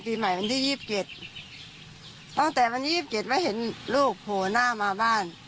ปีใหม่วันที่๒๗ตั้งแต่วันที่๒๗ไม่เห็นลูกโผล่หน้ามาบ้าน